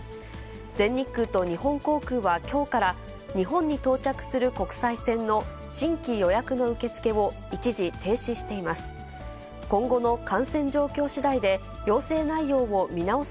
全日空と日本航空はきょうから、日本に到着する国際線の新規予約の受け付けを一時停止しています。